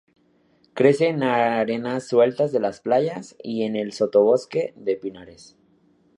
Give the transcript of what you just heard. Crece en arenas sueltas de las playas y en el sotobosque de pinares.